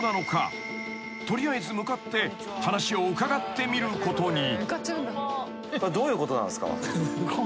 ［取りあえず向かって話を伺ってみることに］